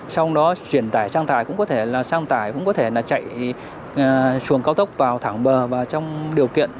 sau đó chuyển tải sang tải cũng có thể là sang tải cũng có thể là chạy xuồng cao tốc vào thẳng bờ và trong điều kiện